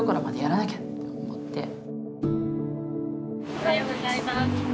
おはようございます。